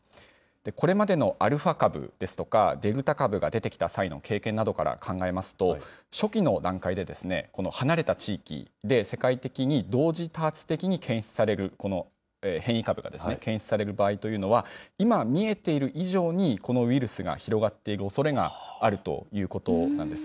これまでのアルファ株ですとか、デルタ株が出てきた際の経験などから考えますと、初期の段階で、この離れた地域で、世界的に同時多発的に検出される、この変異株が検出される場合というのは、今見えている以上に、このウイルスが広がっているおそれがあるということなんです。